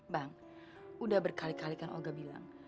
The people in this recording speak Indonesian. bang udah berkali kali kan oga bilang